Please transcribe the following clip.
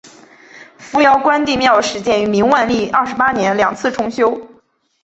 扶摇关帝庙始建于明万历二十八年两次重修。